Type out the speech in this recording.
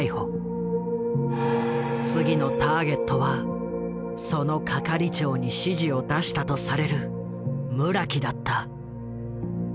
次のターゲットはその係長に指示を出したとされる村木だった。